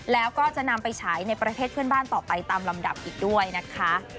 แล้วก็จะนำไปฉายในประเทศเพื่อนบ้านต่อไปตามลำดับอีกด้วยนะคะ